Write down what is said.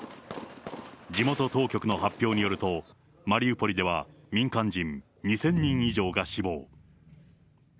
地元当局の発表によると、マリウポリでは民間人２０００人以上が死亡。